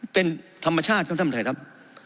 เป็นธรรมชาติครับท่านประธานครับ